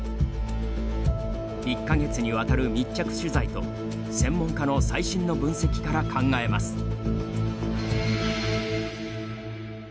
１か月にわたる密着取材と専門家の最新の分析から考えます。